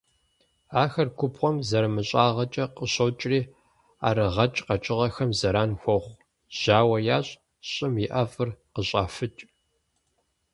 Ахэр губгъуэм зэрымыщӀагъэкӀэ къыщокӀри ӀэрыгъэкӀ къэкӀыгъэхэм зэран хуохъу, жьауэ ящӀ, щӀым и ӀэфӀыр къыщӀафыкӀ.